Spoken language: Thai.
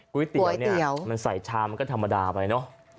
ก๋วยเตี๋ยวเนี่ยมันใส่ชามมันก็ธรรมดาไปเนอะ